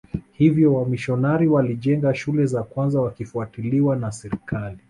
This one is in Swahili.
Hivyo wamisionari walijenga shule za kwanza wakifuatiliwa na serikali